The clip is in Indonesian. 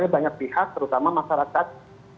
banyak pihak terutama masyarakat